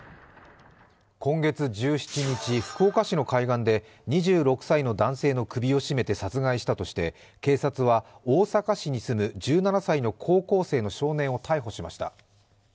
今月１７日、福岡市の海岸で２６歳の男性の首を絞めて殺害したとして警察は大阪市に住む１７歳の高校生の少年を逮捕しました。